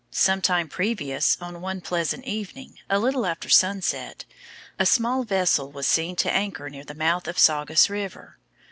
Some time previous, on one pleasant evening, a little after sunset, a small vessel was seen to anchor near the mouth of Saugus river.